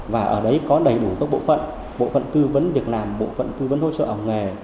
và ở đấy có đầy đủ các bộ phận bộ phận tư vấn việc làm bộ phận tư vấn hỗ trợ ảo nghề